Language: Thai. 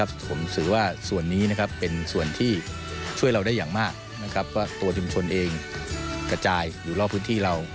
ผมถือว่าส่วนนี้เป็นส่วนที่ช่วยเราได้อย่างมากว่าตัวชุมชนเองกระจายอยู่รอบพื้นที่เรา